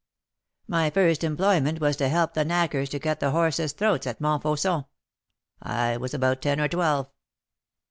My first employment was to help the knackers to cut the horses' throats at Montfauçon. I was about ten or twelve.